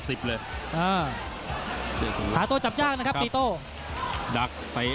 ตีโต้จับยากนะครับ